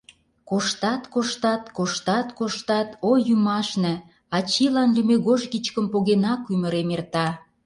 Коштат-коштат, коштат-коштат, ой, юмашне, ачийлан лӱмегож кичкым погенак, ӱмырем эрта.